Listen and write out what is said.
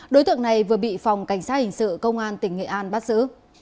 đối tượng này vừa bị phòng cảnh sát hình sự công an tỉnh nghệ an bắt giữ